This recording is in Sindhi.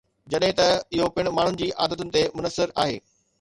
جڏهن ته اهو پڻ ماڻهن جي عادتن تي منحصر آهي